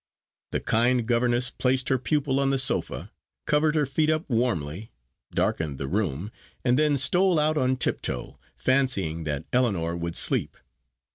The kind governess placed her pupil on the sofa, covered her feet up warmly, darkened the room, and then stole out on tiptoe, fancying that Ellinor would sleep.